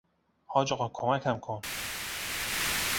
حاج آقا کمکم کن!